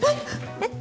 えっ？